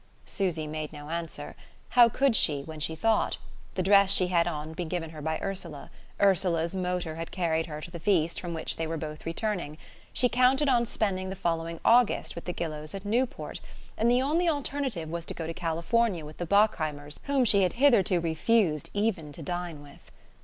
Susy made no answer. How could she, when she thought? The dress she had on had been given her by Ursula; Ursula's motor had carried her to the feast from which they were both returning. She counted on spending the following August with the Gillows at Newport... and the only alternative was to go to California with the Bockheimers, whom she had hitherto refused even to dine with.